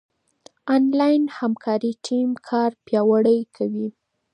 انلاين همکاري ټيم کار پياوړی کوي.